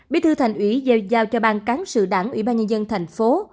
biết thư thành ủy giao cho bang cán sự đảng ủy ban nhân dân thành phố